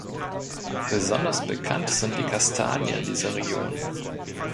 Besonders bekannt sind die Kastanien dieser Region.